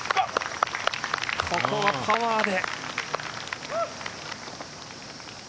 ここはパワーで。